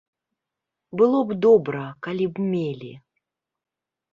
Было б добра, калі б мелі.